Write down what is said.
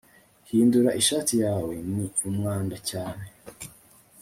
hindura ishati yawe. ni umwanda cyane